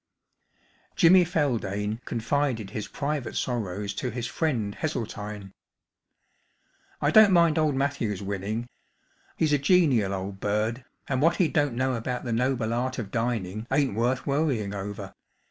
Jimmy Feldane confided his private sorrows to his friend Hesseltine. " I don't mind old Matthews winning. He*s a genial old bird, and what he don't know about the noble art of dining ain't worth worrying over.